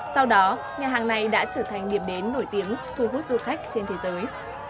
sau đó nhà hàng này đã trở thành điểm đến nổi tiếng thu hút du khách trên thế giới